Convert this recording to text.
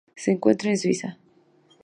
Se encuentra en Suiza.